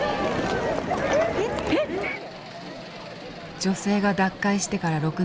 ・えっ⁉女性が脱会してから６年後。